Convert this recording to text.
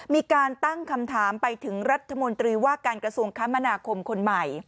มีการตั้งคำถามไปถึงรัฐมนตรีว่าการกระทรวงคมนาคมคนใหม่